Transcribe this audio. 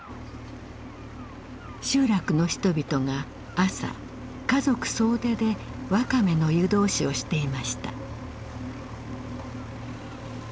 集落の人々が朝家族総出でワカメの湯通しをしていました。